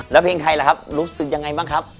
แล้วเพลงใครล่ะครับรู้สึกยังไงบ้างครับ